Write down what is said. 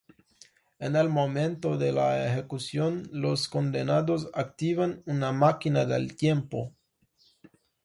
En el momento de la ejecución, los condenados activan una máquina del tiempo.